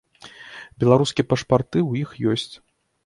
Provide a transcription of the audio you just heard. Беларускія пашпарты ў іх ёсць.